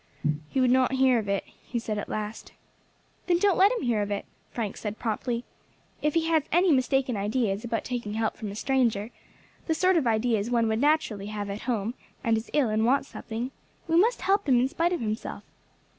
"He would not hear of it," he said at last. "Then don't let him hear of it," Frank said promptly. "If he has any mistaken ideas about taking help from a stranger, the sort of ideas one would naturally have at home, and is ill and wants something, we must help him in spite of himself.